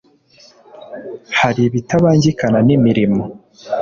hari ibitabangikana n ‘imirimo.